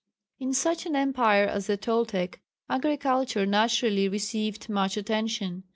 In such an empire as the Toltec, agriculture naturally received much attention.